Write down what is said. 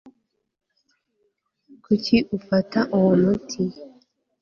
kuki ufata uwo muti